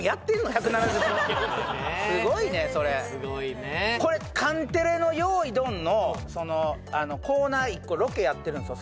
１７０本すごいねそれこれカンテレの「よいドン！」のコーナー１個ロケやってるんですよ